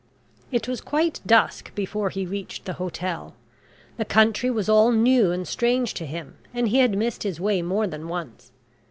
It was quite dusk before he reached the hotel. The country was all new and strange to him, and he had missed his way more than once.